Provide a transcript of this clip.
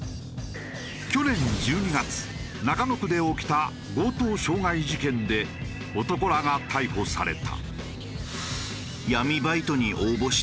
去年１２月中野区で起きた強盗傷害事件で男らが逮捕された。